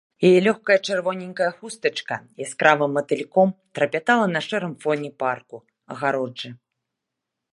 Яе лёгкая чырвоненькая хустачка яскравым матыльком трапятала на шэрым фоне парку, агароджы.